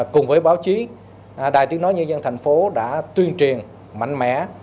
cùng với báo chí đài tiếng nói nhân dân thành phố đã tuyên truyền mạnh mẽ